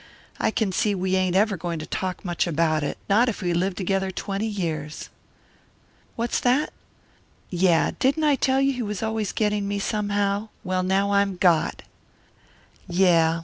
I can see we ain't ever going to talk much about it not if we live together twenty years. What's that? Yeah. Didn't I tell you he was always getting me, somehow? Well, now I'm got. Yeah.